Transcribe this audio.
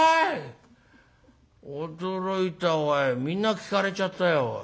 驚いたおいみんな聞かれちゃったよ。